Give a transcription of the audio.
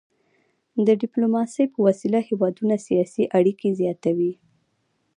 د ډيپلوماسي په وسيله هیوادونه سیاسي اړيکي زیاتوي.